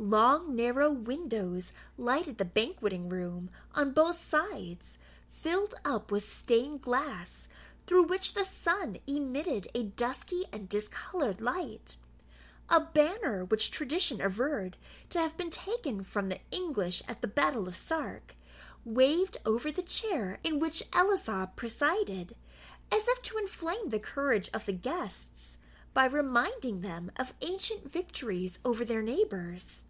Long narrow windows lighted the banqueting room on both sides, filled up with stained glass, through which the sun emitted a dusky and discoloured light. A banner, which tradition averred to have been taken from the English at the battle of Sark, waved over the chair in which Ellieslaw presided, as if to inflame the courage of the guests, by reminding them of ancient victories over their neighbours.